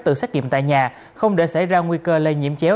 tự xét nghiệm tại nhà không để xảy ra nguy cơ lây nhiễm chéo